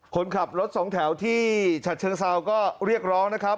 คนขับรถสองแถวที่ฉัดเชิงเซาก็เรียกร้องนะครับ